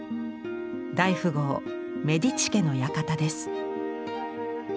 大富豪メディチ家の館です。